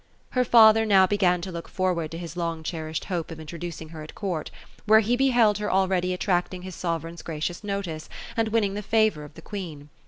Her father now began to look forward to his long cherished hope of introducing her at court ; where he beheld her already attracting his sovereign's gracious notice, and winning the favobr of the Queen.